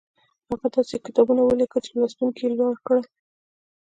هغه داسې کتابونه وليکل چې لوستونکي يې لوړ کړل.